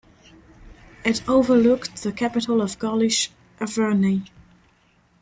It overlooked the capital of Gaulish Avernie.